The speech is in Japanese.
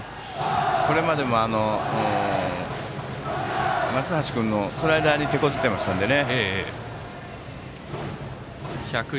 これまでも松橋君のスライダーにてこずっていましたね。